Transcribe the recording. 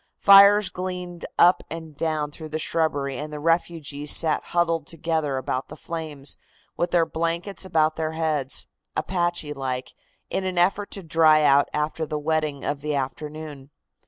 Fires gleamed up and down through the shrubbery and the refugees sat huddled together about the flames, with their blankets about their heads, Apache like, in an effort to dry out after the wetting of the afternoon.